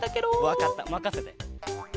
わかったまかせて！